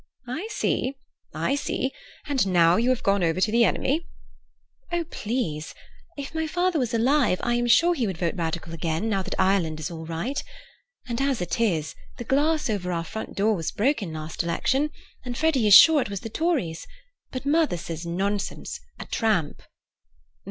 "I see, I see. And now you have gone over to the enemy." "Oh, please—! If my father was alive, I am sure he would vote Radical again now that Ireland is all right. And as it is, the glass over our front door was broken last election, and Freddy is sure it was the Tories; but mother says nonsense, a tramp."